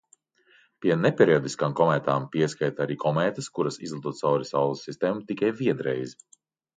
Pie neperiodiskām komētām pieskaita arī komētas, kuras izlido caur Saules sistēmu tikai vienreiz.